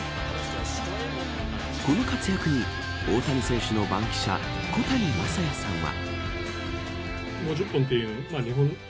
この活躍に、大谷選手の番記者小谷真弥さんは。